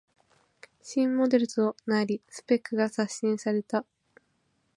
新モデルとなりスペックが刷新された